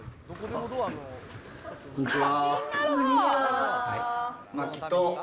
こんにちは。